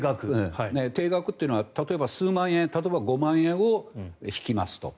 定額というのは例えば数万円５万円を引きますと。